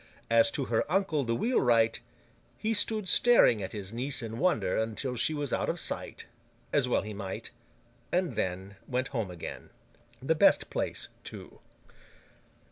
As to her uncle the wheelwright, he stood staring at his niece in wonder until she was out of sight—as well he might—and then went home again. The best place, too.